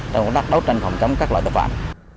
trong công tác đấu tranh phòng chống các loại tội phạm